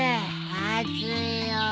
暑いよ。